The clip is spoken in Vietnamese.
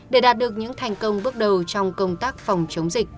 để đạt được những thành công bước đầu trong công tác phòng chống dịch